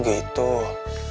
gue setuju sih kal